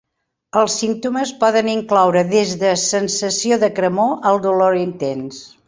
Els símptomes poden incloure des de sensació de cremor al dolor intens.